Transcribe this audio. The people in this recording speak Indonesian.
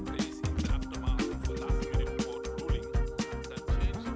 pertarungan berlangsung di awal perintah perintah akhir